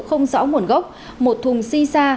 không rõ nguồn gốc một thùng si sa